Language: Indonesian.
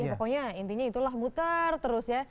pokoknya intinya itulah muter terus ya